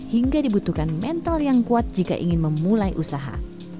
hingga dibutuhkan mental yang kuat jika ingin memulai usaha